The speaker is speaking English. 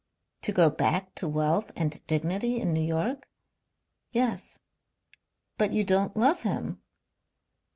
"To go back to wealth and dignity in New York?" "Yes." "But you don't love him?"